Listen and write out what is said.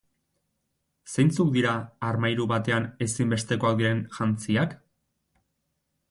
Zeintzuk dira armairu batean ezinbestekoak diren jantziak?